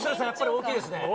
大きいですね。